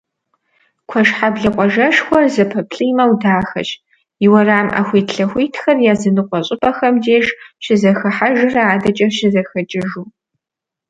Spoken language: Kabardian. Куэшхьэблэ къуажэшхуэр зэпэплIимэу дахэщ, и уэрам Iэхуитлъэхуитхэр языныкъуэ щIыпIэхэм деж щызэхыхьэжрэ адэкIэ щызэхэкIыжу.